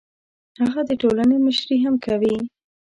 هغه د ټولنې مشري هم کوي.